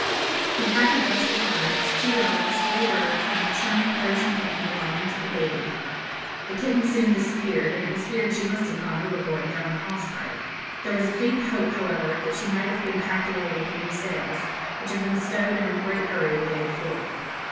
We had with us, besides, two dogs, three birds, and a charming Persian kitten belonging to the baby. The kitten soon disappeared, and it was feared she must have gone overboard down the hawse pipe. There was a faint hope, however, that she might have been packed away with the new sails, which had been stowed in a great hurry the day before.